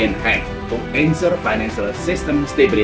untuk menjaga stabilitas sistem finansial